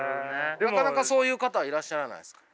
なかなかそういう方はいらっしゃらないですか？